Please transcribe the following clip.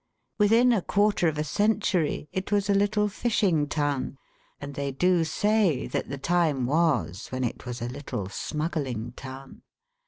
Within a quarter of a century, it was a little fishing town, and they do say, that the time was, when it was a little smuggling town.